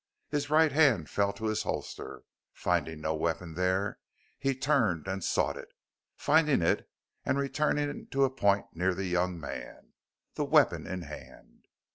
His right hand fell to his holster, and finding no weapon there he turned and sought it, finding it, and returning to a point near the young man, the weapon in hand.